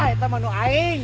itu mau apa